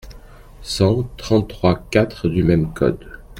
cent trente-trois-quatre du même code ».